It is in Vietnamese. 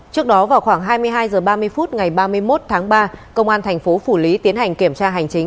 trước đó vào khoảng hai mươi hai h ba mươi phút ngày ba mươi một tháng ba công an thành phố phủ lý tiến hành kiểm tra hành chính